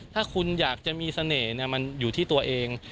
ถ้าคุณอยากจะมีเสน่ห์มันอยู่ที่ตัวเอง